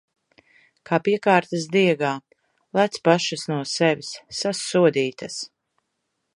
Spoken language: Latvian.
Kā piekārtas diegā... Lec pašas no sevis! Sasodītas!